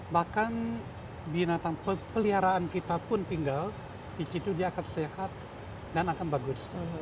bahkan binatang peliharaan kita pun tinggal di situ dia akan sehat dan akan bagus